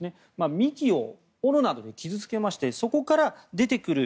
幹を斧などで傷付けましてそこから出てくる